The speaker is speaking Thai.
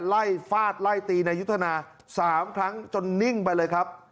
ฟาดไล่ตีนายุทธนา๓ครั้งจนนิ่งไปเลยครับ